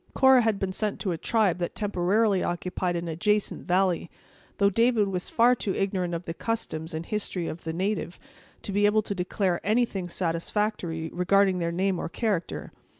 Cora had been sent to a tribe that temporarily occupied an adjacent valley, though David was far too ignorant of the customs and history of the natives, to be able to declare anything satisfactory concerning their name or character.